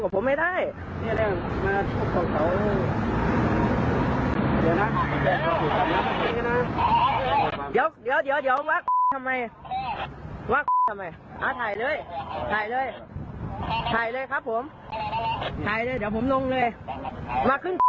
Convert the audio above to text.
สวัสดีครับทุกคน